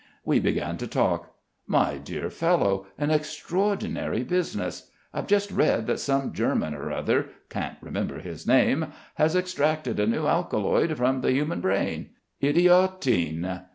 We began to talk. 'My dear fellow an extraordinary business. I've just read that some German or other can't remember his name has extracted a new alkaloid from the human brain idiotine.'